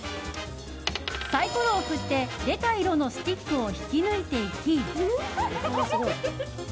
サイコロを振って出た色のスティックを引き抜いていき。